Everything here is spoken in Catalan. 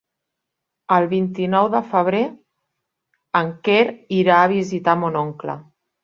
El vint-i-nou de febrer en Quer irà a visitar mon oncle.